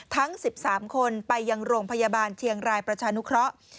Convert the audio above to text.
ทั้ง๑๓คนไปยังโรงพยาบาลเชียงรายประชานุเคราะห์